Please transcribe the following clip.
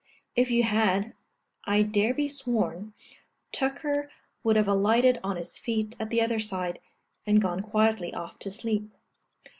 If you had, I dare be sworn, Tucker would have alighted on his feet at the other side, and gone quietly off to sleep.